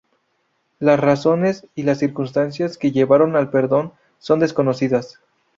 Las razones y las circunstancias que llevaron al perdón son desconocidas.